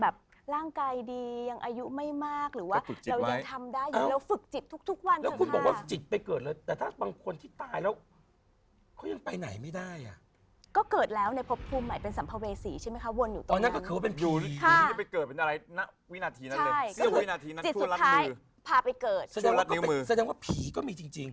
สุดท้ายพาไปเกิดสัญญาว่าผีก็มีจริง